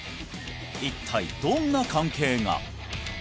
一体どんな関係が？